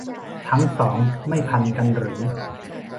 ทั้งสองไม่พันกันหรือ